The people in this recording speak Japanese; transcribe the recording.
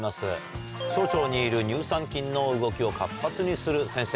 小腸にいる乳酸菌の動きを活発にする先生